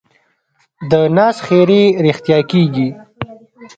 د ناز ښېرې رښتیا کېږي.